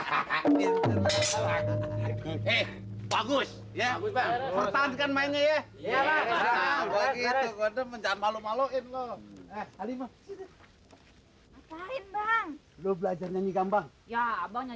kalau gitu udah menjaga malu maluin loh eh halimu